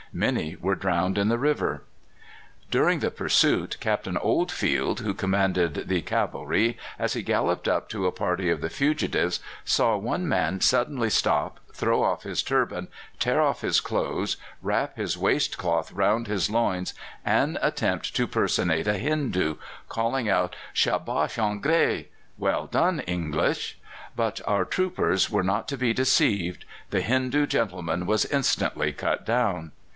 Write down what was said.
Many were drowned in the river. During the pursuit Captain Oldfield, who commanded the cavalry, as he galloped up to a party of the fugitives, saw one man suddenly stop, throw off his turban, tear off his clothes, wrap his waist cloth round his loins and attempt to personate a Hindoo, calling out, "Shah bash, Angrèz!" ("Well done, English!"). But our troopers were not to be deceived: the Hindoo gentleman was instantly cut down.